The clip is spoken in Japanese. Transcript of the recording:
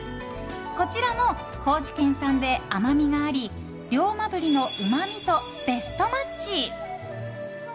こちらも高知県産で甘みがあり龍馬鰤のうまみとベストマッチ！